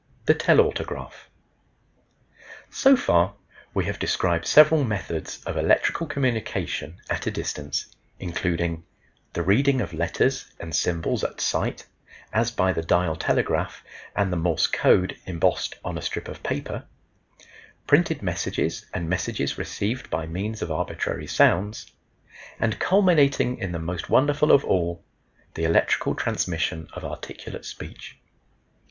THE TELAUTOGRAPH. So far we have described several methods of electrical communication at a distance, including the reading of letters and symbols at sight (as by the dial telegraph and the Morse code embossed on a strip of paper); printed messages and messages received by means of arbitrary sounds, and culminating in the most wonderful of all, the electrical transmission of articulate speech.